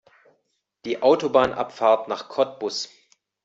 Die Autobahnabfahrt nach Cottbus